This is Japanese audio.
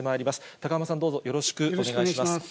高濱さん、よろしくお願いします。